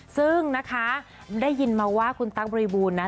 ซึ่งนะคะได้ยินมาว่าคุณตั๊กบริบูรณนะ